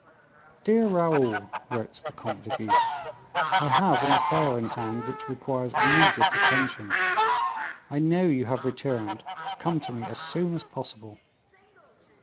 "Dear Raoul," wrote the Comte de Guiche, "I have an affair in hand which requires immediate attention; I know you have returned; come to me as soon as possible."